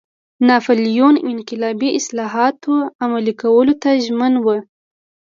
ناپلیون انقلابي اصلاحاتو عملي کولو ته ژمن و.